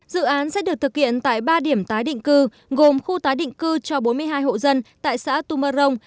dự án sẽ được thực hiện tại ba điểm tái định cư gồm khu tái định cư cho bốn mươi hai hộ dân tại xã tumorong